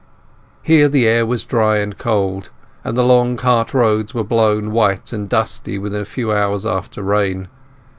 Here the air was dry and cold, and the long cart roads were blown white and dusty within a few hours after rain.